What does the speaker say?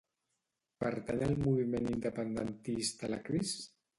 Pertany al moviment independentista la Cris?